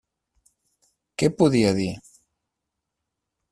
Què podia dir?